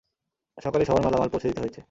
সকালে সবার মালামাল পোঁছে দিতে হয়েছে।